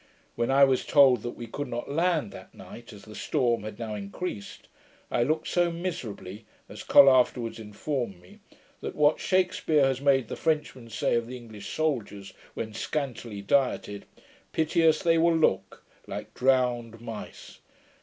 When I was told that we could not land that night, as the storm had now increased, I looked so miserably, as Col afterwards informed me, that what Shakspeare has made the Frenchman say of the English soldiers, when scantily dieted, 'Piteous they will look, like drowned mice!'